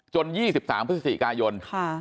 จน๒๓พศกายน